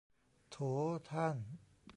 โถ ท่าน